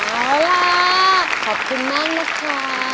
เอาล่ะขอบคุณมากนะคะ